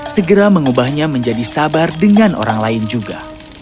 segera mengubahnya menjadi sabar dengan orang lain juga